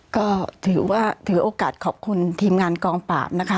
ก็ถือว่าถือโอกาสขอบคุณทีมงานกองปราบนะคะ